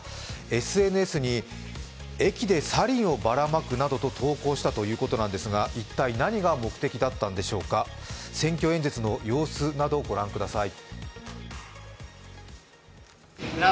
ＳＮＳに駅でサリンをばらまくなどと投稿したということなんですが一体、何が目的だったのでしょうか選挙演説の様子などをご覧ください。